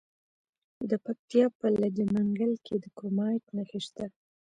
د پکتیا په لجه منګل کې د کرومایټ نښې شته.